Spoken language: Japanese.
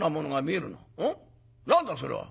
何だそれは？」。